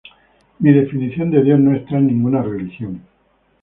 Mi definición de Dios no está en ninguna religión.